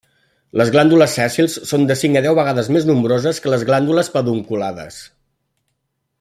Les glàndules sèssils són de cinc a deu vegades més nombroses que les glàndules pedunculades.